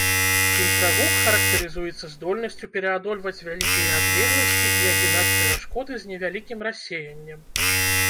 Інфрагук характарызуецца здольнасцю пераадольваць вялікія адлегласці і агінаць перашкоды з невялікім рассеяннем.